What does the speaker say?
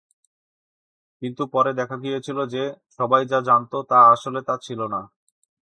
কিন্তু পরে দেখা গিয়েছিল যে, সবাই যা জানত তা আসলে তা ছিল না।